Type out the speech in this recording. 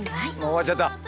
終わっちゃった。